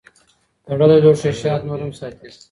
تړلی لوښی شات نور هم ساتي.